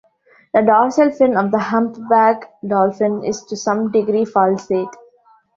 The dorsal fin of the humpback dolphin is to some degree falcate.